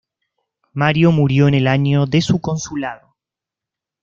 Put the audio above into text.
Mario murió en el año de su consulado.